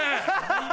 ハハハ！